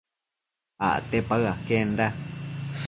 Acte paë aquenda